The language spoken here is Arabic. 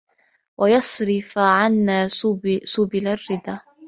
وَيَصْرِفَ عَنَّا سُبُلَ الرَّدَى